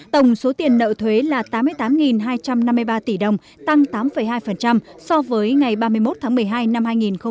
tổng số tiền nợ thuế là tám mươi tám hai trăm năm mươi ba tỷ đồng tăng tám hai so với ngày ba mươi một tháng một mươi hai năm hai nghìn một mươi chín